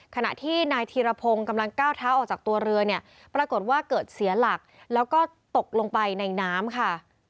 ขณะที่นายธีรพงศ์กำลังก้าวเท้าออกจากตัวเรือเนี่ยปรากฏว่าเกิดเสียหลักแล้วก็ตกลงไปในน้ำค่ะ